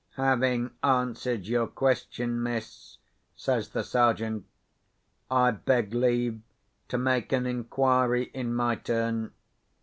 "Having answered your question, miss," says the Sergeant, "I beg leave to make an inquiry in my turn.